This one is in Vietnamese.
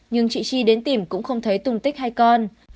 nhưng chị chi đến tìm cũng không thấy tung tích hai con